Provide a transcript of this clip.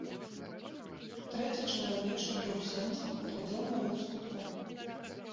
Трэці чалавек, што быў у сенцах, глядзеў на іх з кутка.